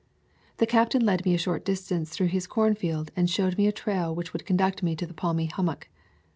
The captain led me a short distance through his corn field and showed me a trail which would conduct me to the palmy hummock.